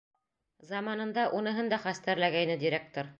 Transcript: Заманында уныһын да хәстәрләгәйне директор.